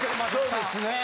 そうですねぇ。